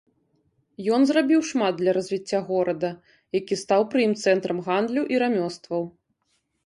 Ён зрабіў шмат для развіцця горада, які стаў пры ім цэнтрам гандлю і рамёстваў.